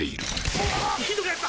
うわひどくなった！